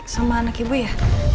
sama anak ibu ya